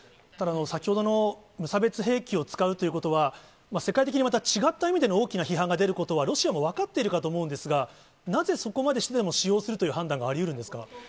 ただ先ほどの無差別兵器を使うということは、世界的にまた違った意味での大きな批判が出ることは、ロシアも分かっているかと思うんですが、なぜそこまでしてでも使用するという判断がありうるんですか？